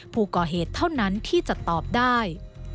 ผู้ก่อเหตุเท่านั้นที่จะตอบได้